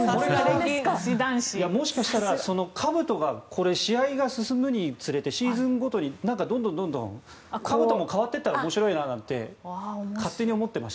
もしかしたら、かぶとが試合が進むにつれシーズンごとに、どんどんかぶとも変わっていったら面白いななんて勝手に思ってました。